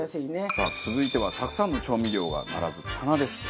さあ続いてはたくさんの調味料が並ぶ棚です。